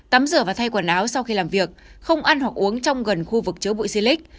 tắm rửa và thay quần áo sau khi làm việc không ăn hoặc uống trong gần khu vực chứa bụi xi lít